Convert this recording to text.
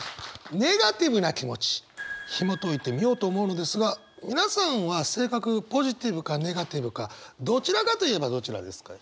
ネガティブな気持ちひもといてみようと思うのですが皆さんは性格ポジティブかネガティブかどちらかといえばどちらですか？